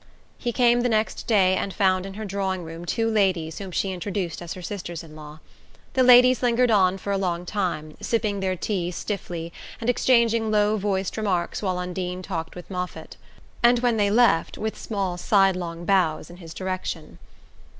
He came the next day and found in her drawing room two ladies whom she introduced as her sisters in law. The ladies lingered on for a long time, sipping their tea stiffly and exchanging low voiced remarks while Undine talked with Moffatt; and when they left, with small sidelong bows in his direction.